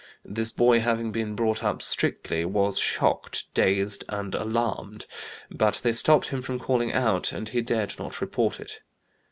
This boy, having been brought up strictly, was shocked, dazed, and alarmed; but they stopped him from calling out, and he dared not report it.